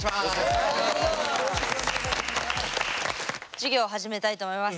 授業始めたいと思います。